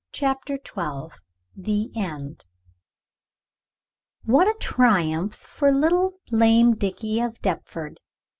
CHAPTER XII THE END WHAT a triumph for little lame Dickie of Deptford!